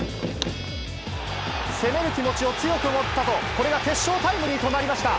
攻める気持ちを強く持ったと、これが決勝タイムリーとなりました。